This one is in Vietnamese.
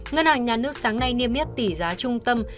ngân hàng nhà nước sáng nay niêm yết tỷ giá trung tâm